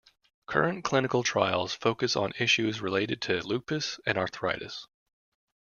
Current clinical trials focus on issues related to lupus and arthritis.